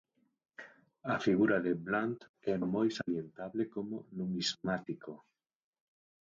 A figura de Blunt é moi salientable como numismático.